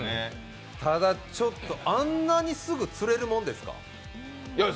ただちょっと、あんなにすぐ釣れるものですか？